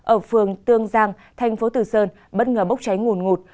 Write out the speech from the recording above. ở phường tương giang thành phố từ sơn bất ngờ bốc cháy ngùn ngụt